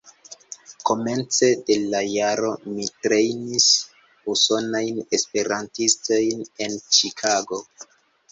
Komence de la jaro mi trejnis Usonajn Esperantistojn en Ĉikago.